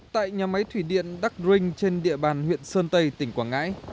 tại nhà máy thủy điện đắc rinh trên địa bàn huyện sơn tây tỉnh quảng ngãi